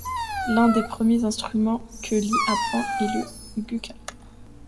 L'un des premiers instruments que Li apprend est le guqin.